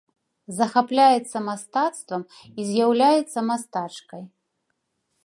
Захапляецца мастацтвам і з'яўляецца мастачкай.